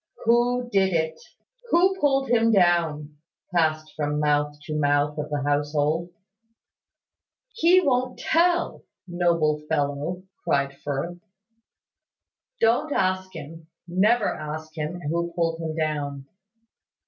"Who did it?" "Who pulled him down?" passed from mouth to mouth of the household. "He won't tell, noble fellow," cried Firth. "Don't ask him. Never ask him who pulled him down."